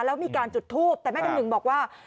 แล้วมีการจุดทูปแต่แม่น้ำหนึ่งบอกว่า